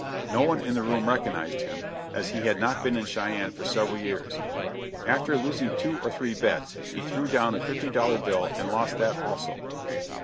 No one in the room recognized him, as he had not been in Cheyenne for several years. After losing two or three bets he threw down a fifty dollar bill and lost that also.